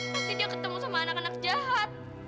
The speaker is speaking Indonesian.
pasti dia ketemu sama anak anak jahat